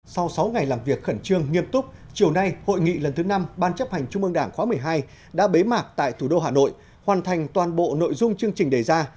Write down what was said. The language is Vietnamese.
sau sáu ngày làm việc khẩn trương nghiêm túc chiều nay hội nghị lần thứ năm ban chấp hành trung ương đảng khóa một mươi hai đã bế mạc tại thủ đô hà nội hoàn thành toàn bộ nội dung chương trình đề ra